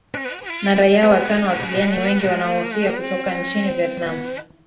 na raia watano wa kigeni wengi wanaohofia kutoka nchini vietnam